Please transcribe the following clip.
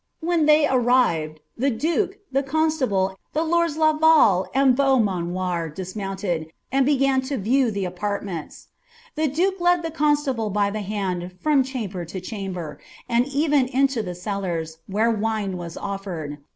When they arrived, the duke^ dw mi> •table, anil the lords Laval and Beaumanoir dismouritcid, am) tirgta U view the apartments. The duke led the cimstnble by the hand fiota chamber to chamber, arid even into the cellars, where witie was oflntd.